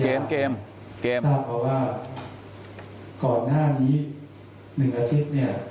ท่านบอกว่าก่อนหน้านี้๑อาทิตย์